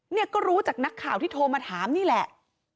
เนี่ยก็รู้จากนักข่าวที่โทรมาถามนี่แหละ